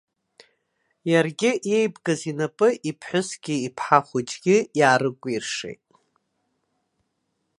Иаргьы, еибгаз инапы иԥҳәысгьы иԥҳа хәыҷгьы иаарыкәиршеит.